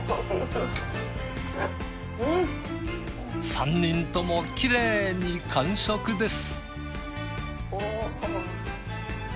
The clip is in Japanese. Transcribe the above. ３人ともきれいに完食です。